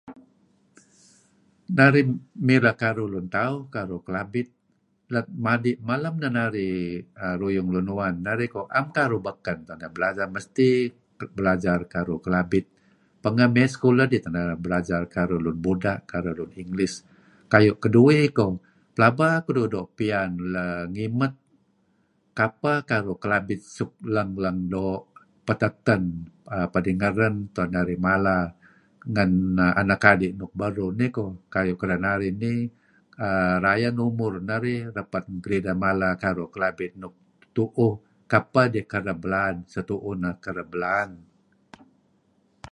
Narih mileh karuh lun tauh karuh Kelabit let madi' malem neh narih ruyung lun uwan narih ko' 'am karuh beken tu'en narih belajar, mesti belajar karuh Kelabit . Pengeh mey sekulah kidih teh narih belajar karuh lun buda' karuh lun English. Kayu' keduih koh pelaba keduih doo' piyan la' ngimet kapeh karuh Kelabit suk leng-leng doo' peteten err pedingeren tu'en narih mala ngen anak adi' nuk beruh nih koh. Kayu' kedinarih nih err rayeh neh umur narih repet ngen kedideh mala karuh Kelabit tu'uh, kapeh idih kereb belaan setu'uh neh.